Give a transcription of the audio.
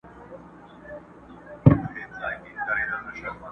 هر سړي ته خپله ورځ او قسمت ګوري؛